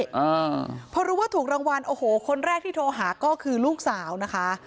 อ่าพอรู้ว่าถูกรางวัลโอ้โหคนแรกที่โทรหาก็คือลูกสาวนะคะ